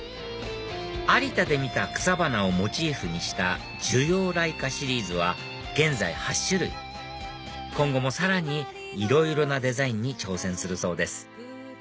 有田で見た草花をモチーフにした「樹葉蕾花」シリーズは現在８種類今後もさらにいろいろなデザインに挑戦するそうです